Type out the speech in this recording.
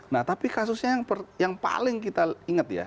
nah tapi kasusnya yang paling kita ingat ya